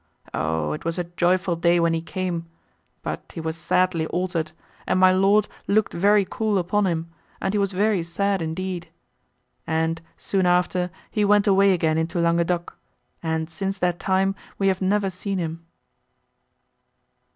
O, it was a joyful day when he came; but he was sadly altered, and my Lord looked very cool upon him, and he was very sad, indeed. And, soon after, he went away again into Languedoc, and, since that time, we have never seen him."